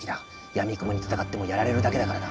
やみくもに戦ってもやられるだけだからな。